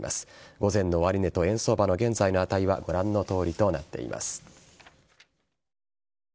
午前の終値と円相場の現在の値はご覧のとおりとなっています。